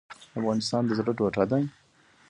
افغانستان د زړه ټوټه ده؟